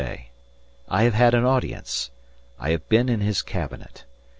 I have had an audience. I have been in his cabinet.